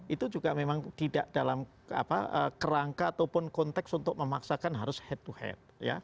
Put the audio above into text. itu juga memang tidak dalam kerangka ataupun konteks untuk memaksakan harus head to head